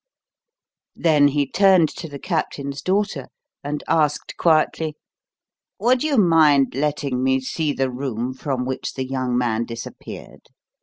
Then he turned to the Captain's daughter, and asked quietly: "Would you mind letting me see the room from which the young man disappeared?